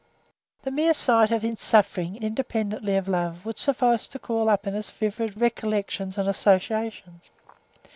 The mere sight of suffering, independently of love, would suffice to call up in us vivid recollections and associations.